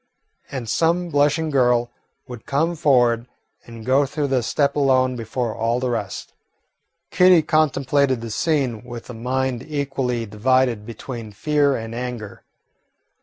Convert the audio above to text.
And some blushing girl would come forward and go through the step alone before all the rest. Kitty contemplated the scene with a mind equally divided between fear and anger.